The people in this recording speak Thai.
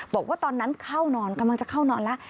บอกว่าตอนนั้นเข้านอนกำลังจะเข้านอนแล้ว